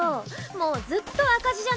もうずっと赤字じゃない！